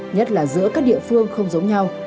nhất là giữa các địa phương không giống nhau